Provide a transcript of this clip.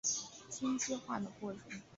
羟基化的过程。